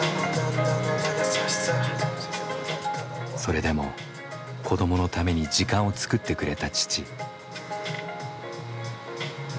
それでも子どものために時間を作ってくれた父。